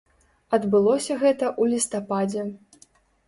Адбылося гэта ў лістападзе.